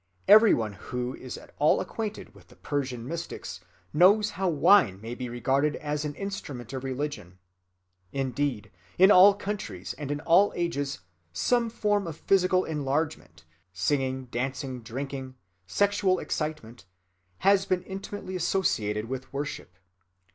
Every one who is at all acquainted with the Persian mystics knows how wine may be regarded as an instrument of religion. Indeed, in all countries and in all ages, some form of physical enlargement—singing, dancing, drinking, sexual excitement—has been intimately associated with worship.